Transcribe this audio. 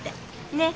ねっ。